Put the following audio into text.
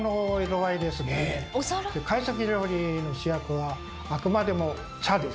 懐石料理の主役はあくまでも「茶」です。